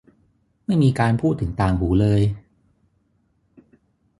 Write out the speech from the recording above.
ไม่มีการพูดถึงต่างหูเลย